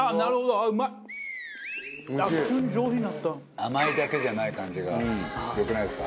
甘いだけじゃない感じが良くないですか？